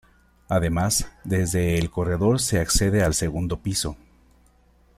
Además, desde el corredor se accede al segundo piso.